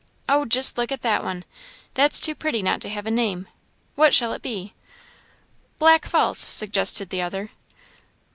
Oh, just look at that one! That's too pretty not to have a name; what shall it be?" "Black Falls," suggested the other.